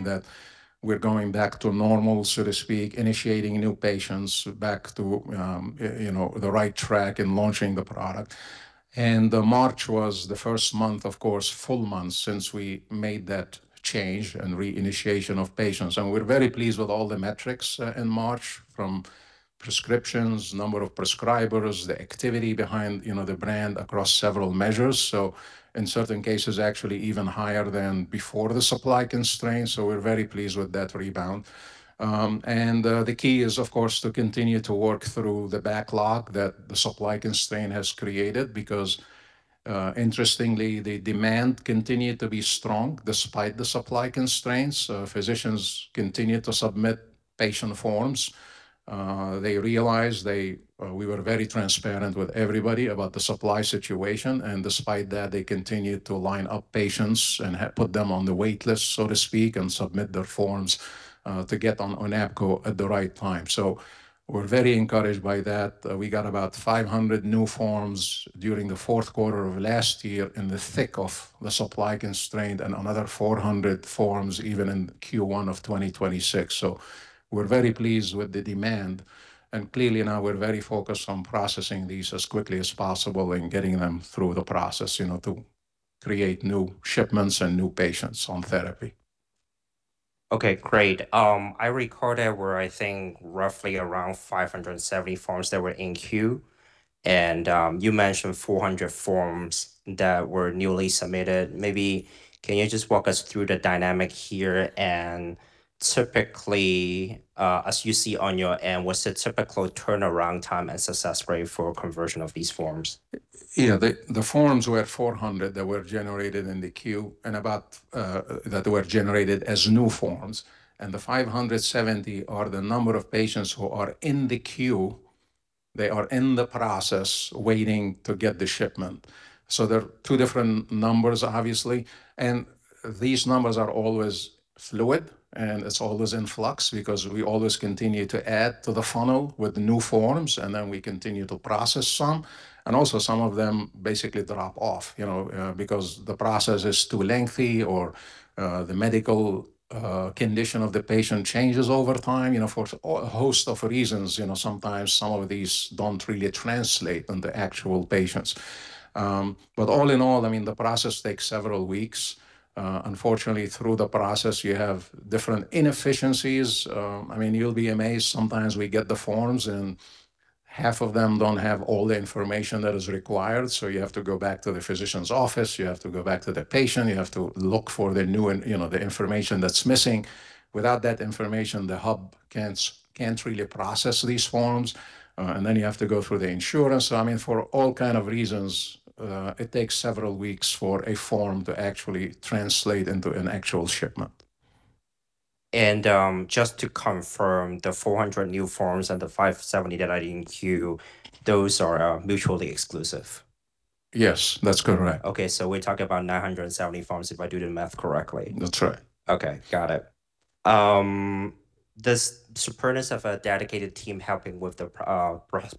Line that we're going back to normal, so to speak, initiating new patients back to, you know, the right track and launching the product. The March was the first month, of course, full month since we made that change and reinitiation of patients, and we're very pleased with all the metrics in March from prescriptions, number of prescribers, the activity behind, you know, the brand across several measures, so in certain cases actually even higher than before the supply constraints, so we're very pleased with that rebound. The key is, of course, to continue to work through the backlog that the supply constraint has created because, interestingly, the demand continued to be strong despite the supply constraints. Physicians continued to submit patient forms. They realized they, we were very transparent with everybody about the supply situation, and despite that, they continued to line up patients and put them on the wait list, so to speak, and submit their forms, to get on APOKYN at the right time. We're very encouraged by that. We got about 500 new forms during the fourth quarter of last year in the thick of the supply constraint and another 400 forms even in Q1 of 2026. We're very pleased with the demand, and clearly now we're very focused on processing these as quickly as possible and getting them through the process, you know, to create new shipments and new patients on therapy. Okay, great. I recall there were, I think, roughly around 570 forms that were in queue, you mentioned 400 forms that were newly submitted. Maybe can you just walk us through the dynamic here? Typically, as you see on your end, what's the typical turnaround time and success rate for conversion of these forms? Yeah. The forms were 400 that were generated in the queue and about that were generated as new forms, and the 570 are the number of patients who are in the queue. They are in the process waiting to get the shipment. They're two different numbers obviously, and these numbers are always fluid, and it's always in flux because we always continue to add to the funnel with new forms, and then we continue to process some. Also some of them basically drop off, you know, because the process is too lengthy or the medical condition of the patient changes over time. You know, for a host of reasons, you know, sometimes some of these don't really translate into actual patients. All in all, I mean, the process takes several weeks. Unfortunately, through the process you have different inefficiencies. I mean, you'll be amazed. Sometimes we get the forms, and half of them don't have all the information that is required, so you have to go back to the physician's office. You have to go back to the patient. You have to look for the new, you know, the information that's missing. Without that information, the hub can't really process these forms. Then you have to go through the insurance. I mean, for all kind of reasons, it takes several weeks for a form to actually translate into an actual shipment. Just to confirm, the 400 new forms and the 570 that are in queue, those are mutually exclusive? Yes, that's correct. Okay, we're talking about 970 forms if I do the math correctly. That's right. Okay, got it. Does Supernus have a dedicated team helping with the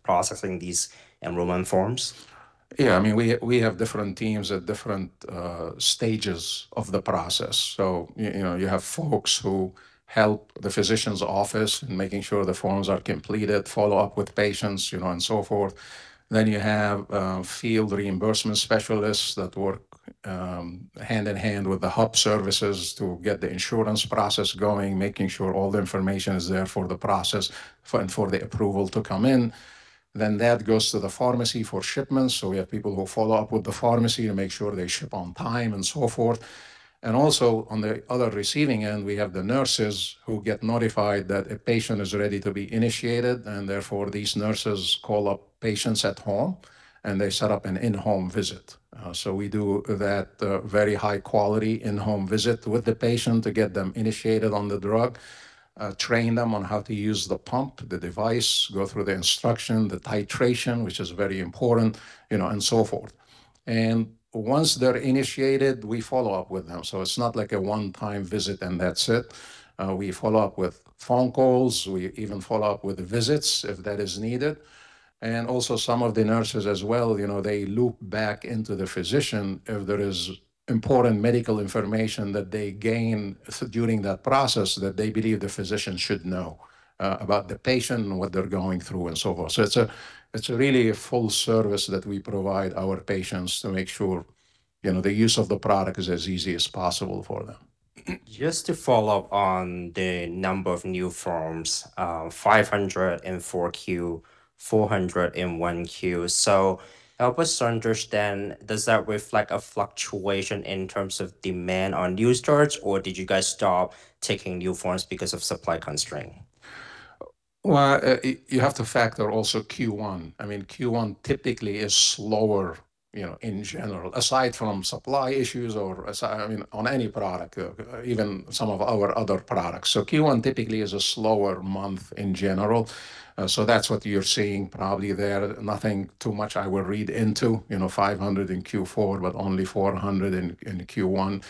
processing these enrollment forms? Yeah, I mean, we have different teams at different stages of the process. You know, you have folks who help the physician's office in making sure the forms are completed, follow up with patients, you know, and so forth. You have field reimbursement specialists that work hand in hand with the hub services to get the insurance process going, making sure all the information is there for the process and for the approval to come in. That goes to the pharmacy for shipments. We have people who follow up with the pharmacy to make sure they ship on time and so forth. Also on the other receiving end, we have the nurses who get notified that a patient is ready to be initiated, and therefore these nurses call up patients at home, and they set up an in-home visit. So we do that very high quality in-home visit with the patient to get them initiated on the drug, train them on how to use the pump, the device, go through the instruction, the titration, which is very important, you know, and so forth. Once they're initiated, we follow up with them. It's not like a one-time visit and that's it. We follow up with phone calls. We even follow up with visits if that is needed. Also some of the nurses as well, you know, they loop back into the physician if there is important medical information that they gain during that process that they believe the physician should know about the patient and what they're going through and so forth. It's really a full service that we provide our patients to make sure, you know, the use of the product is as easy as possible for them. Just to follow up on the number of new forms, 500 in 4Q, 400 in 1Q. Help us understand, does that reflect a fluctuation in terms of demand on new starts, or did you guys stop taking new forms because of supply constraint? Well, you have to factor also Q1. I mean, Q1 typically is slower, you know, in general, aside from supply issues or aside I mean, on any product, even some of our other products. Q1 typically is a slower month in general. That's what you're seeing probably there. Nothing too much I would read into, you know, 500 in Q4, but only 400 in Q1.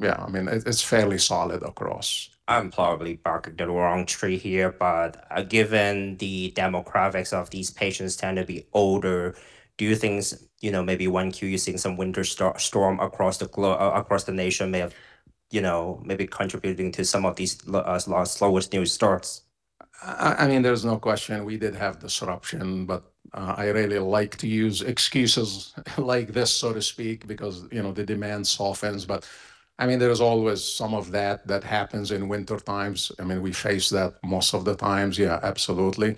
Yeah, I mean, it's fairly solid across. I'm probably barking the wrong tree here, but given the demographics of these patients tend to be older, do you think you know, maybe Q1 you're seeing some winter storm across the nation may have, you know, may be contributing to some of these slowest new starts? I mean, there's no question we did have disruption, but I really like to use excuses like this, so to speak, because, you know, the demand softens. I mean, there's always some of that that happens in winter times. I mean, we face that most of the times. Yeah, absolutely.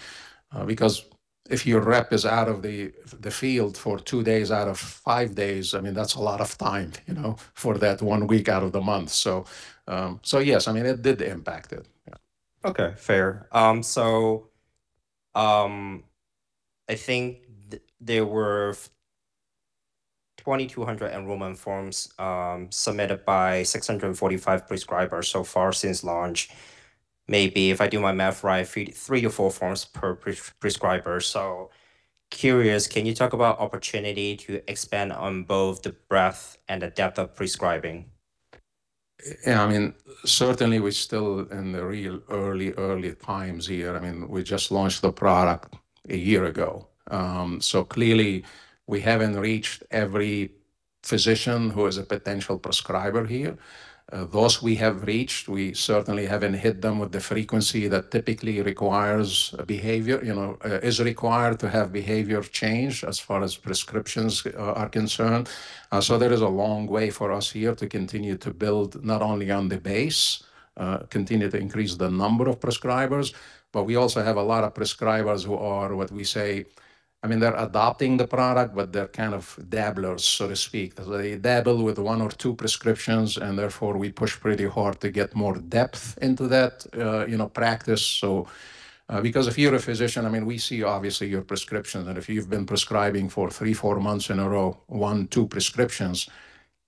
Because if your rep is out of the field for two days out of five days, I mean, that's a lot of time, you know, for that one week out of the month. Yes. I mean, it did impact it. Yeah. Okay. Fair. I think there were 2,200 enrollment forms submitted by 645 prescribers so far since launch. Maybe if I do my math right, 3-4 forms per prescriber. Curious, can you talk about opportunity to expand on both the breadth and the depth of prescribing? Yeah, I mean, certainly we're still in the real early times here. I mean, we just launched the product a year ago. Clearly we haven't reached every physician who is a potential prescriber here. Those we have reached, we certainly haven't hit them with the frequency that typically requires a behavior, you know, is required to have behavior change as far as prescriptions are concerned. There is a long way for us here to continue to build not only on the base, continue to increase the number of prescribers, but we also have a lot of prescribers who are what we say I mean, they're adopting the product, but they're kind of dabblers, so to speak. They dabble with one or two prescriptions, therefore, we push pretty hard to get more depth into that, you know, practice. Because if you're a physician, I mean, we see obviously your prescription, and if you've been prescribing for three, four months in a row, one, two prescriptions,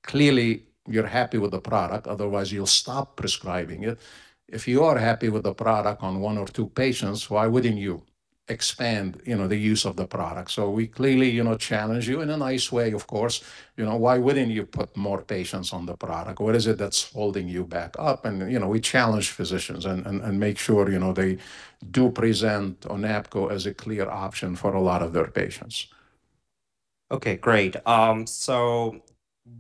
clearly you're happy with the product, otherwise you'll stop prescribing it. If you are happy with the product on one or two patients, why wouldn't you expand, you know, the use of the product? We clearly, you know, challenge you in a nice way, of course, you know, why wouldn't you put more patients on the product? What is it that's holding you back up? You know, we challenge physicians and make sure, you know, they do present ONAPGO as a clear option for a lot of their patients. Okay, great.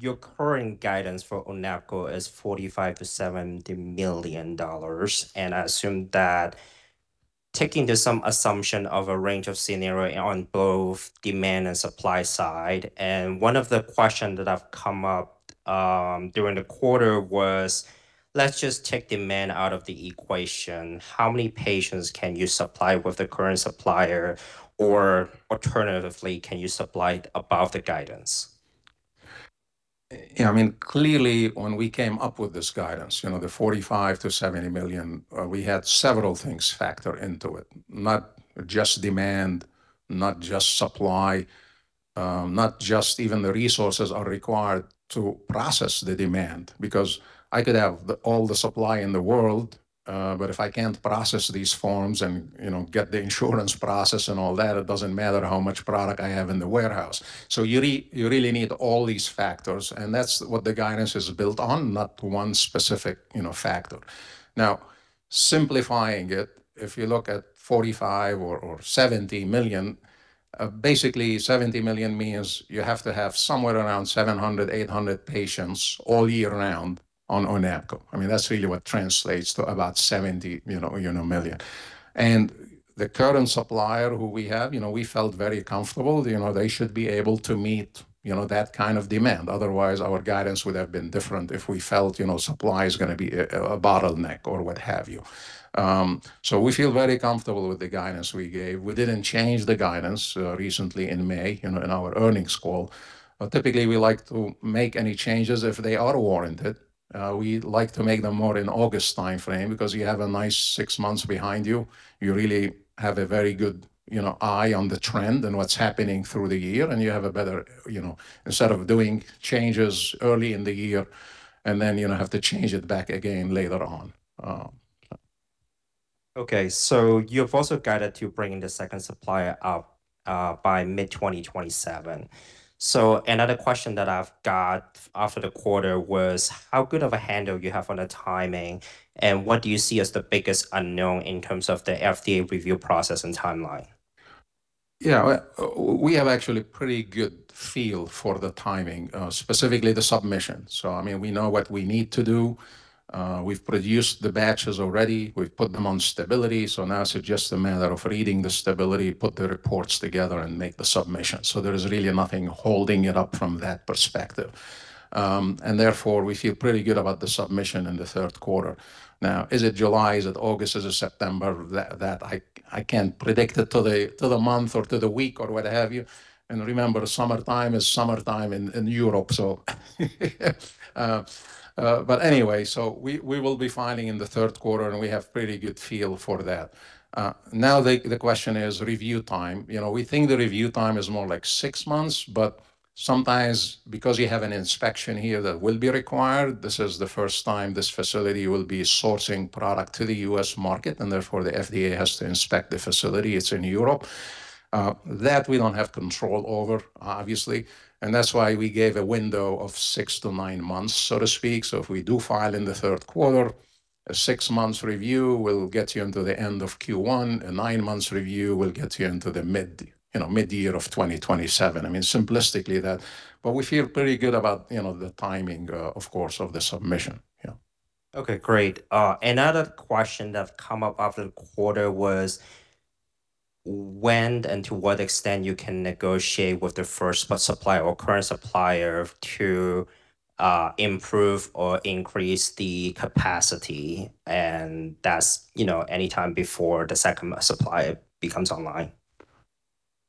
Your current guidance for ONAPGO is $45 million-$70 million, and I assume that taking to some assumption of a range of scenario on both demand and supply side, and one of the question that have come up during the quarter was, let's just take demand out of the equation. How many patients can you supply with the current supplier? Alternatively, can you supply above the guidance? Yeah, I mean, clearly when we came up with this guidance, you know, the $45 million-$70 million, we had several things factor into it, not just demand, not just supply, not just even the resources are required to process the demand. Because I could have all the supply in the world, but if I can't process these forms and, you know, get the insurance process and all that, it doesn't matter how much product I have in the warehouse. You really need all these factors, and that's what the guidance is built on, not one specific, you know, factor. Now, simplifying it, if you look at $45 million or $70 million, basically $70 million means you have to have somewhere around 700, 800 patients all year round on ONAPGO. I mean, that's really what translates to about $70 million. The current supplier who we have, you know, we felt very comfortable. You know, they should be able to meet, you know, that kind of demand. Otherwise, our guidance would have been different if we felt, you know, supply is gonna be a bottleneck or what have you. We feel very comfortable with the guidance we gave. We didn't change the guidance recently in May, in our earnings call. Typically we like to make any changes if they are warranted. We like to make them more in August timeframe because you have a nice six months behind you. You really have a very good, you know, eye on the trend and what's happening through the year, and you have a better You know, instead of doing changes early in the year and then you have to change it back again later on. Okay. You've also guided to bringing the second supplier up by mid-2027. Another question that I've got after the quarter was how good of a handle you have on the timing, and what do you see as the biggest unknown in terms of the FDA review process and timeline? Yeah. We have actually pretty good feel for the timing, specifically the submission. I mean, we know what we need to do. We've produced the batches already. We've put them on stability. Now it's just a matter of reading the stability, put the reports together, and make the submission. There is really nothing holding it up from that perspective. Therefore, we feel pretty good about the submission in the third quarter. Is it July? Is it August? Is it September? That I can't predict it to the month or to the week or what have you. Remember, summertime is summertime in Europe, anyway, we will be filing in the third quarter, and we have pretty good feel for that. The question is review time. You know, we think the review time is more like six months, but sometimes because you have an inspection here that will be required, this is the first time this facility will be sourcing product to the U.S. market, and therefore the FDA has to inspect the facility. It's in Europe. That we don't have control over, obviously, and that's why we gave a window of six to nine months, so to speak. If we do file in the third quarter, a 6-month review will get you into the end of Q1. A nine-month review will get you into the mid, you know, mid-year of 2027. We feel pretty good about, you know, the timing, of course, of the submission. Yeah. Okay, great. Another question that's come up after the quarter. When and to what extent you can negotiate with the first supplier or current supplier to improve or increase the capacity, and that's, you know, any time before the second supplier becomes online?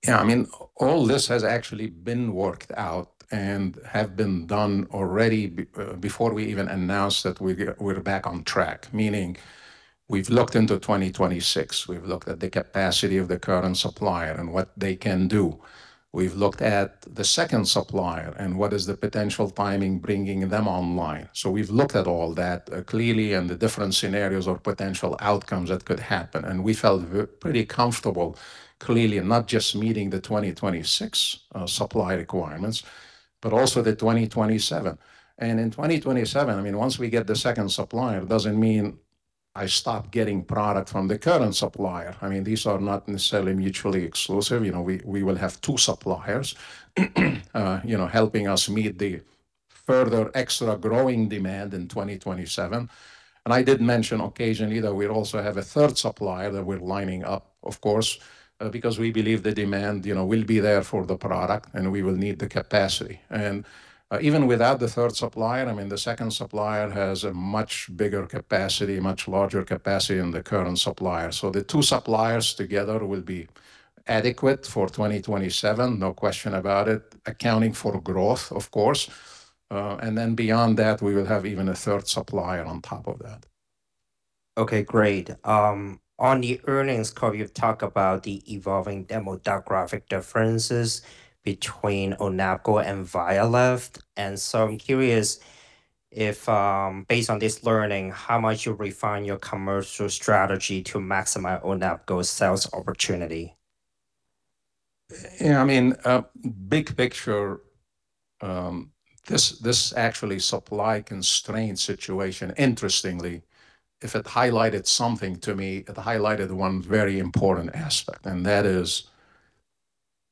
Yeah, I mean, all this has actually been worked out and have been done already before we even announced that we're back on track. Meaning, we've looked into 2026. We've looked at the capacity of the current supplier and what they can do. We've looked at the second supplier and what is the potential timing bringing them online. We've looked at all that clearly, and the different scenarios or potential outcomes that could happen. We felt we're pretty comfortable clearly in not just meeting the 2026 supply requirements, but also the 2027. In 2027, I mean, once we get the second supplier, it doesn't mean I stop getting product from the current supplier. I mean, these are not necessarily mutually exclusive. You know, we will have two suppliers, you know, helping us meet the further extra growing demand in 2027. I did mention occasionally that we'll also have a third supplier that we're lining up, of course, because we believe the demand, you know, will be there for the product, and we will need the capacity. Even without the third supplier, I mean, the second supplier has a much bigger capacity, much larger capacity than the current supplier. The two suppliers together will be adequate for 2027, no question about it, accounting for growth, of course. Then beyond that, we will have even a 3rd supplier on top of that. Okay, great. On the earnings call, you talk about the evolving demographic differences between ONAPGO and VYALEV. I'm curious if, based on this learning, how much you refine your commercial strategy to maximize ONAPGO's sales opportunity? Yeah, I mean, big picture, this actually supply constraint situation, interestingly, if it highlighted something to me, it highlighted one very important aspect. That is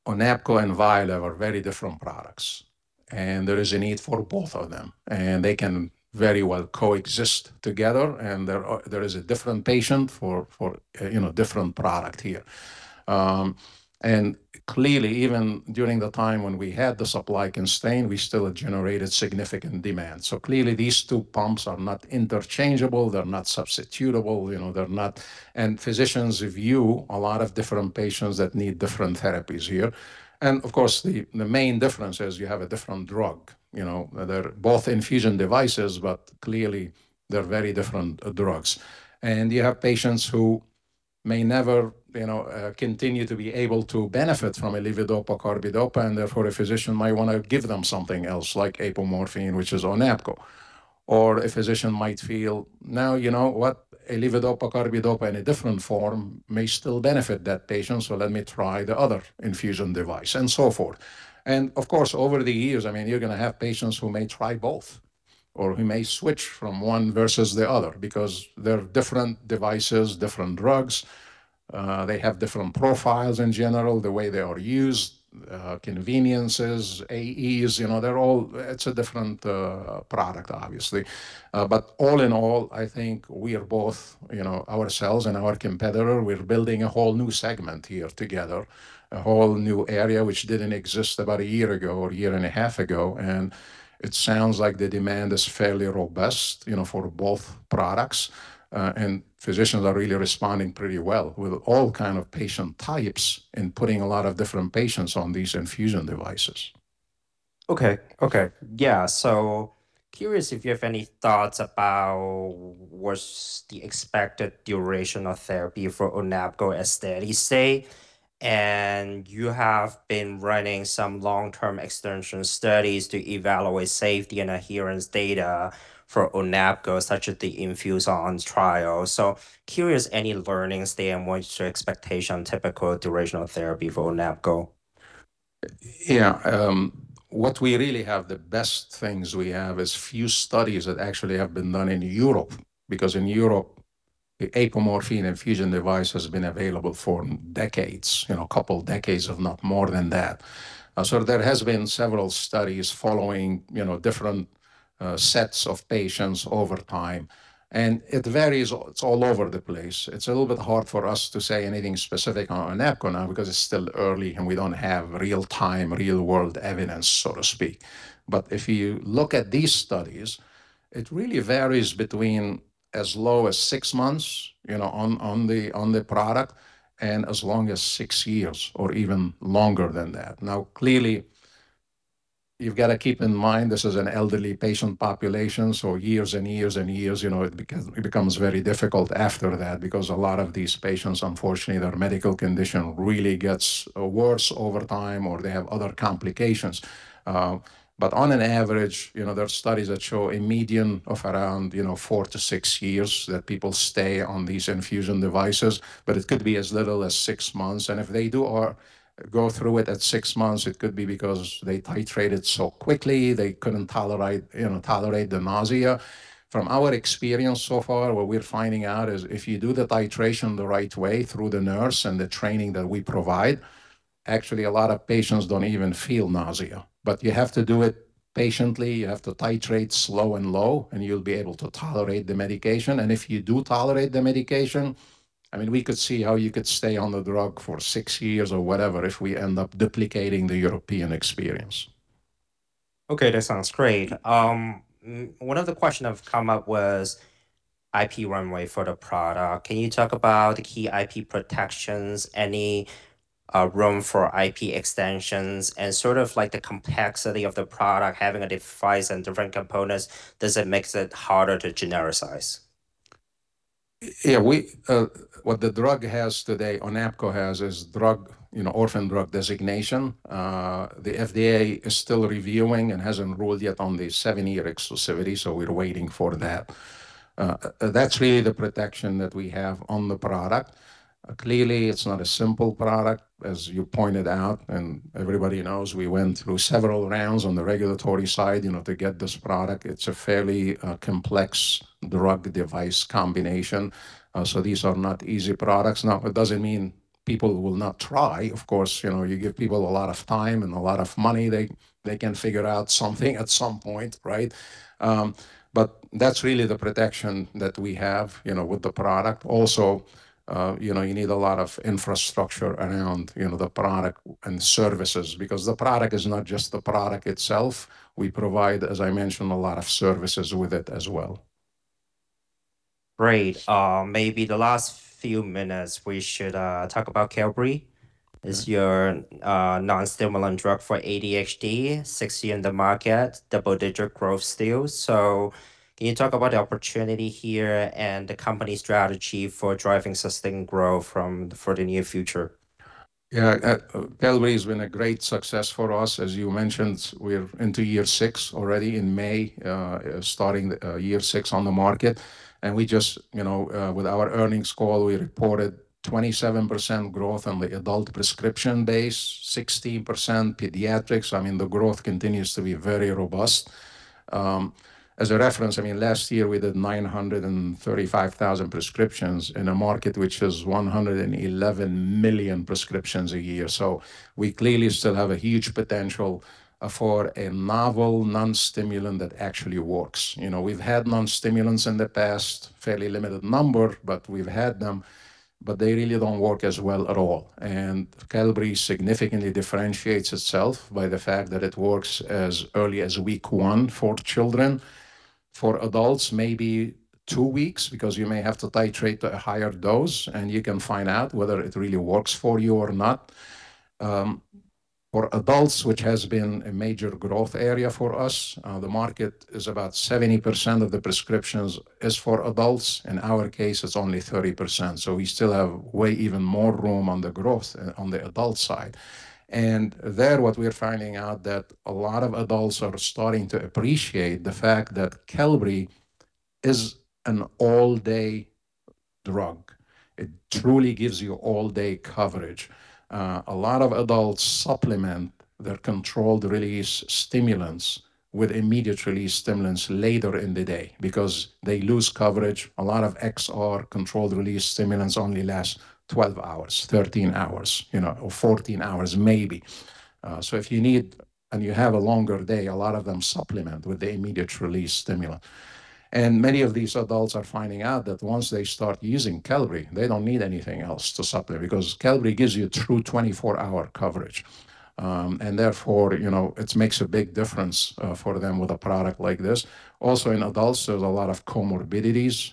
ONAPGO and VYALEV are very different products. There is a need for both of them. They can very well coexist together. There is a different patient for, you know, different product here. Clearly, even during the time when we had the supply constrained, we still generated significant demand. Clearly, these two pumps are not interchangeable. They're not substitutable. You know, they're not. Physicians review a lot of different patients that need different therapies here. Of course, the main difference is you have a different drug. You know, they're both infusion devices. Clearly, they're very different drugs. You have patients who may never, you know, continue to be able to benefit from a levodopa carbidopa, and therefore a physician might wanna give them something else like apomorphine, which is ONAPGO. A physician might feel, "Now, you know what? A levodopa carbidopa in a different form may still benefit that patient, so let me try the other infusion device," and so forth. Of course, over the years, you're gonna have patients who may try both or who may switch from one versus the other because they're different devices, different drugs. They have different profiles in general, the way they are used, conveniences, AEs. You know, it's a different product obviously. All in all, I think we are both, you know, ourselves and our competitor, we're building a whole new segment here together, a whole new area which didn't exist about a year ago or a year and a half ago. It sounds like the demand is fairly robust, you know, for both products. Physicians are really responding pretty well with all kind of patient types and putting a lot of different patients on these infusion devices. Okay. Okay. Yeah. Curious if you have any thoughts about what's the expected duration of therapy for ONAPGO at steady state. You have been running some long-term extension studies to evaluate safety and adherence data for ONAPGO, such as the INFUS‑ON trial. Curious any learnings there and what's your expectation typical duration of therapy for ONAPGO? Yeah, what we really have, the best things we have is few studies that actually have been done in Europe because in Europe, the apomorphine infusion device has been available for decades, you know, a couple decades, if not more than that. There has been several studies following, you know, different sets of patients over time, and it varies. It's all over the place. It's a little bit hard for us to say anything specific on ONAPGO now because it's still early, and we don't have real-time, real-world evidence, so to speak. If you look at these studies, it really varies between as low as six months, you know, on the product and as long as six years or even longer than that. Clearly, you've gotta keep in mind this is an elderly patient population, so years and years and years, you know, it becomes very difficult after that because a lot of these patients, unfortunately, their medical condition really gets worse over time, or they have other complications. On an average, you know, there are studies that show a median of around, you know, four to six years that people stay on these infusion devices, but it could be as little as six months. If they do go through it at six months, it could be because they titrated so quickly they couldn't tolerate, you know, tolerate the nausea. From our experience so far, what we're finding out is if you do the titration the right way through the nurse and the training that we provide. Actually, a lot of patients don't even feel nausea, but you have to do it patiently. You have to titrate slow and low, and you'll be able to tolerate the medication. If you do tolerate the medication, I mean, we could see how you could stay on the drug for six years or whatever if we end up duplicating the European experience. Okay, that sounds great. One of the question I've come up was IP runway for the product. Can you talk about key IP protections, any room for IP extensions and sort of like the complexity of the product, having a device and different components, does it makes it harder to genericize? Yeah. We, what the drug has today, ONAPGO has, is orphan drug designation. The FDA is still reviewing and hasn't ruled yet on the seven-year exclusivity, so we're waiting for that. That's really the protection that we have on the product. Clearly it's not a simple product, as you pointed out, and everybody knows we went through several rounds on the regulatory side, you know, to get this product. It's a fairly complex drug-device combination. These are not easy products. Now, it doesn't mean people will not try. Of course, you know, you give people a lot of time and a lot of money, they can figure out something at some point, right? That's really the protection that we have, you know, with the product. You know, you need a lot of infrastructure around, you know, the product and services because the product is not just the product itself. We provide, as I mentioned, a lot of services with it as well. Great. Maybe the last few minutes we should talk about Qelbree. Yeah. It's your non-stimulant drug for ADHD, six years in the market, double-digit growth still. Can you talk about the opportunity here and the company strategy for driving sustained growth for the near future? Yeah. Qelbree has been a great success for us. As you mentioned, we're into year six already in May, starting year six on the market. We just, you know, with our earnings call, we reported 27% growth on the adult prescription base, 16% pediatrics. I mean, the growth continues to be very robust. As a reference, I mean, last year we did 935,000 prescriptions in a market which is 111 million prescriptions a year. We clearly still have a huge potential for a novel non-stimulant that actually works. You know, we've had non-stimulants in the past, fairly limited number, but we've had them, but they really don't work as well at all. Qelbree significantly differentiates itself by the fact that it works as early as week one for children. For adults, maybe 2 weeks, because you may have to titrate a higher dose, and you can find out whether it really works for you or not. For adults, which has been a major growth area for us, the market is about 70% of the prescriptions is for adults. In our case, it's only 30%, we still have way even more room on the growth on the adult side. There, what we're finding out that a lot of adults are starting to appreciate the fact that Qelbree is an all-day drug. It truly gives you all-day coverage. A lot of adults supplement their controlled release stimulants with immediate release stimulants later in the day because they lose coverage. A lot of XR controlled release stimulants only last 12 hours, 13 hours, you know, or 14 hours maybe. If you need and you have a longer day, a lot of them supplement with the immediate release stimulant. Many of these adults are finding out that once they start using Qelbree, they don't need anything else to supplement because Qelbree gives you true 24-hour coverage. Therefore, you know, it's makes a big difference for them with a product like this. Also in adults, there's a lot of comorbidities,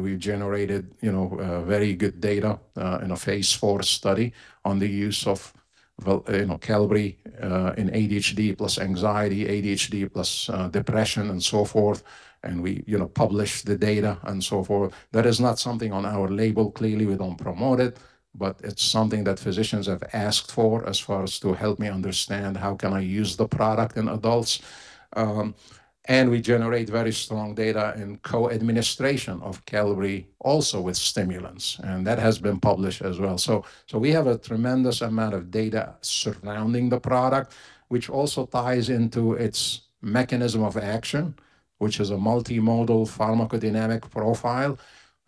we've generated, you know, very good data in a phase IV study on the use of Qelbree in ADHD plus anxiety, ADHD plus depression and so forth. We, you know, publish the data and so forth. That is not something on our label. Clearly, we don't promote it, but it's something that physicians have asked for as far as to help me understand how can I use the product in adults. We generate very strong data in co-administration of Qelbree also with stimulants, and that has been published as well. We have a tremendous amount of data surrounding the product, which also ties into its mechanism of action, which is a multimodal pharmacodynamic profile,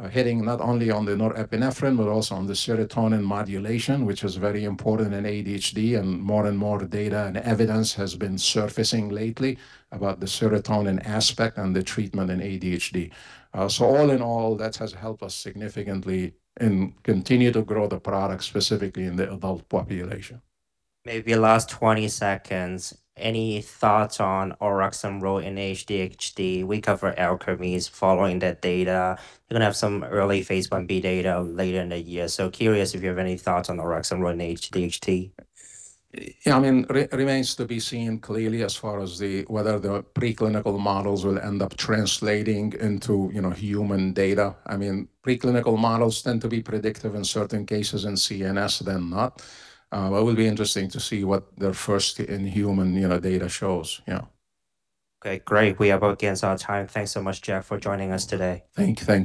hitting not only on the norepinephrine, but also on the serotonin modulation, which is very important in ADHD. More and more data and evidence has been surfacing lately about the serotonin aspect and the treatment in ADHD. All in all, that has helped us significantly and continue to grow the product, specifically in the adult population. Maybe the last 20 seconds, any thoughts on orexin role in ADHD? We cover Alkermes following that data. They're gonna have some early phase I-B data later in the year. Curious if you have any thoughts on orexin role in ADHD. Yeah, I mean, remains to be seen clearly as far as whether the preclinical models will end up translating into, you know, human data. I mean, preclinical models tend to be predictive in certain cases in CNS than not. It will be interesting to see what their first in human, you know, data shows. Yeah. Okay, great. We are back on time. Thanks so much, Jack, for joining us today. Thank you. Thank you.